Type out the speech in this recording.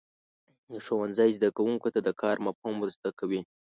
ښوونځی زده کوونکو ته د کار مفهوم ورزده کوي.